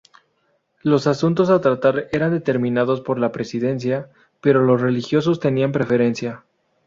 Los asuntos a tratar eran determinados por la presidencia, pero los religiosos tenían preferencia.